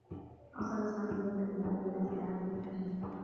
أوصل سامي ليلى إلى عيادة إعادة تأهيل.